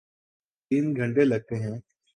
تین گھنٹے لگتے ہیں۔